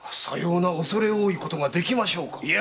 さようなおそれ多いことができましょうか？